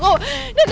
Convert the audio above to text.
tapi bukan aku